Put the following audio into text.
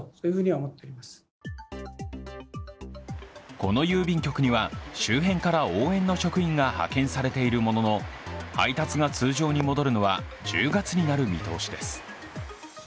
この郵便局には周辺から応援の職員が派遣されているものの、配達が通常に戻るのは１０月になる見通しです。